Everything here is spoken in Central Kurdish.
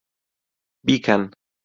بیکەن!